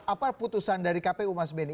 apa putusan dari kpu mas benny